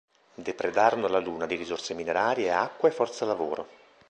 Depredarono la Luna di risorse minerarie, acqua e forza lavoro.